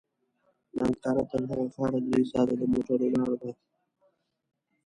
له انقره تر هغه ښاره درې ساعته د موټر لاره ده.